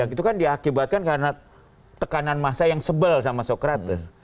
itu kan diakibatkan karena tekanan massa yang sebel sama sokrates